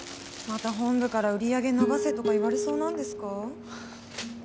また本部から売り上げ伸ばせとか言われそうなんですか？